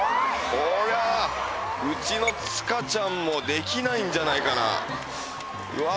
こりゃうちの塚ちゃんもできないんじゃないかなうわ